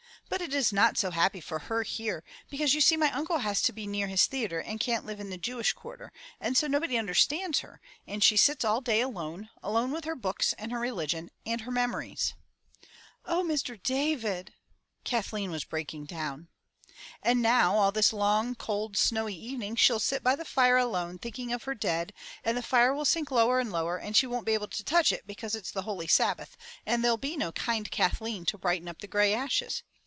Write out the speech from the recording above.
But it is not so happy for her here, because you see my uncle has to be near his theatre and can't live in the Jewish quarter, and so nobody understands her, and she sits all day alone, alone with her books and her religion and her memories." "Oh, Mr. David!" Kathleen was breaking down. "And now all this long, cold, snowy evening she'll sit by the fire alone thinking of her dead, and the fire will sink lower and lower, and she won't be able to touch it because it's the holy Sabbath, and there'll be no kind Kathleen to brighten up the grey ashes.